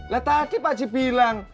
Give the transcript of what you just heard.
lah tadi pak ji bilang